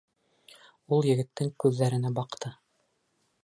Ул егеттең күҙҙәренә баҡты.